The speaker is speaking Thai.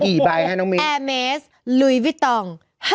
อีไบให้น้องมีนโอ้โฮแอร์เมสลุยวิตอง